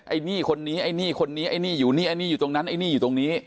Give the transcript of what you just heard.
ไอ้นี่คนนี้ไอ้นี่คนนี้ไอ้นี่อยู่นี่ไอ้นี่อยู่ตรงนั้นไอ้นี่อยู่ตรงนี้